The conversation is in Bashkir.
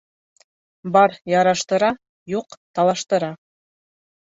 Бар яраштыра, юҡ талаштыра.